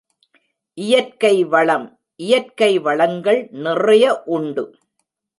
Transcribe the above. இயற்கை வளம் இயற்கை வளங்கள் நிறைய உண்டு.